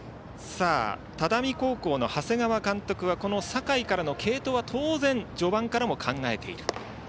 只見高校の長谷川監督は酒井からの継投は当然序盤からも考えている。